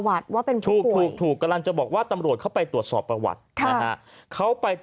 ๔๑วิทยาลัยุศีมสลัดจริงถึง